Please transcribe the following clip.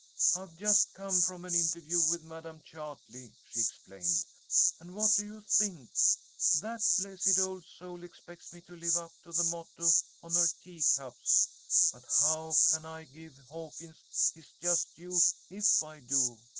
"I've just come from an interview with Madam Chartley," she explained. "And what do you think? That blessed old soul expects me to live up to the motto on her teacups! But how can I give Hawkins his just due if I do?